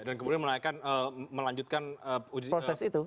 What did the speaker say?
dan kemudian melanjutkan proses itu